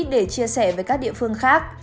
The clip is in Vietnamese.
để chia sẻ với các địa phương khác